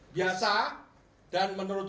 biasa dan menurut